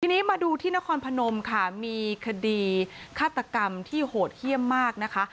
ทีนี้มาดูที่นครพนมค่ะมีคดีฆาตกรรมที่โหดเยี่ยมมากนะคะ